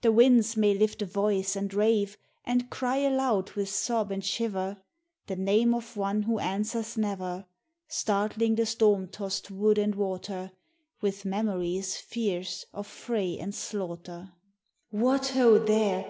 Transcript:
The winds may lift a voice and rave And cry aloud with sob and shiver The name of one who answers never, Startling the storm tost wood and water With memories fierce of fray and slaughter. IOI 102 GARALTH'S FERRY " What ho, there